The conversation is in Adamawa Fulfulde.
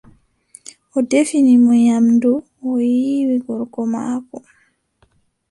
O defini mo nyamndu, o yiiwi gorko maako.